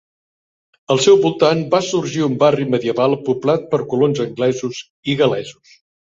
Al seu voltant va sorgir un barri medieval poblat per colons anglesos i gal·lesos.